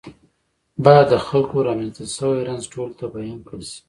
باید د خلکو رامنځته شوی رنځ ټولو ته بیان کړل شي.